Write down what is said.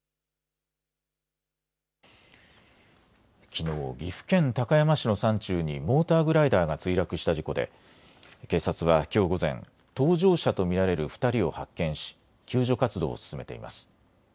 きのう、岐阜県高山市の山中にモーターグライダーが墜落した事故で警察はきょう午前、搭乗者と見られる２人を発見し救助活動を進めています。